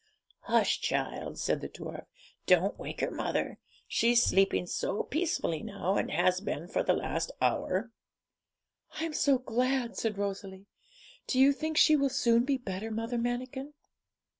'Hush, child!' said the dwarf; 'don't wake your mother; she's sleeping so peacefully now, and has been for the last hour.' 'I'm so glad!' said Rosalie. 'Do you think she will soon be better, Mother Manikin?'